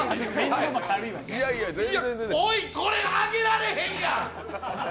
おい、これ、上げられへんやん！